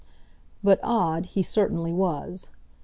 But odd he certainly was.